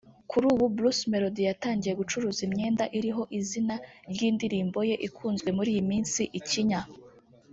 Kuri ubu Bruce Melodie yatangiye gucuruza imyenda iriho izina ry’indirimbo ye ikunzwe muri iyi minsi ‘Ikinya’